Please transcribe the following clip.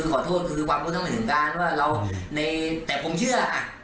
สงสัยขึ้นถึงการว่าเราแต่ผมเชื่อค่ะ